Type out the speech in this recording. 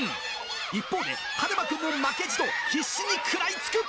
一方ではるま君も負けじと必死に食らいつく。